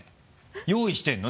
用意してるの？